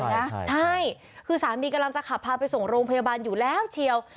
ใช่คือสามีกำลังจะขับพาไปส่งโรงพยาบาลอยู่แล้วเชียว